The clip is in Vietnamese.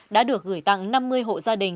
đã được gửi tặng năm mươi hộ gia đình